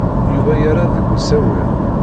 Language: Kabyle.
Yuba yerra deg usawal.